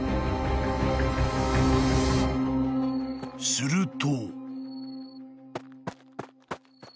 ［すると］